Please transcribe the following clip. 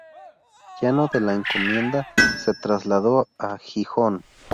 Llano de la Encomienda se trasladó a Gijón.